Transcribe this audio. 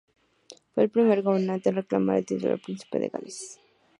Fue el primer gobernante en reclamar el título de Príncipe de Gales.